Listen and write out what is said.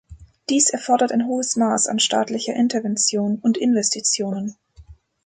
Dies erfordert ein hohes Maß an staatlicher Intervention und Investitionen.